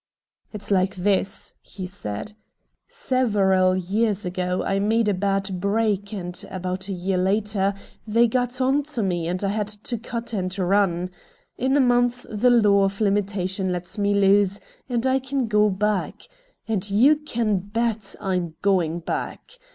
"It's like this," he said. "Several years ago I made a bad break and, about a year later, they got on to me and I had to cut and run. In a month the law of limitation lets me loose and I can go back. And you can bet I'm GOING back.